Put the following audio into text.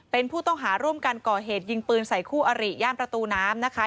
เป็นผู้ต้องหาร่วมกันก่อเหตุยิงปืนใส่คู่อริย่านประตูน้ำนะคะ